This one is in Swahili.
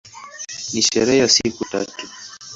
Ni sherehe ya siku tatu.